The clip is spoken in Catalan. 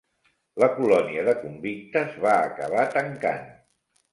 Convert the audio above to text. La colònia de convictes va acabar tancant.